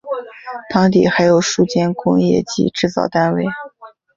当地还有数间工业及制造单位。